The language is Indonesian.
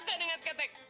lo nek gak dengan ketek